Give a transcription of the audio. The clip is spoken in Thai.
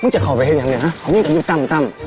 มึงจะเข้าไปหรือยังนะฮะห้อง่ินกันยูตั้ม